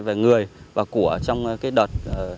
về người và của trong đợt